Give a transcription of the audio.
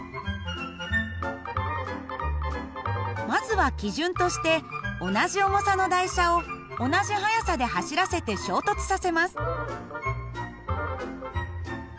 まずは基準として同じ重さの台車を同じ速さで走らせて衝突させます。